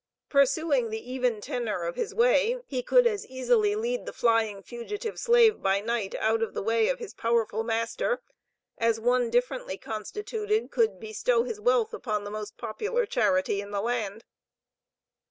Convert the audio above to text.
Pursuing the even tenor of his way, he could as easily lead the flying fugitive slave by night out of the way of his powerful master, as one differently constituted could bestow his wealth upon the most popular charity in the land.